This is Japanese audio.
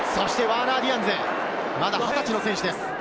ワーナー・ディアンズ、まだ２０歳の選手です。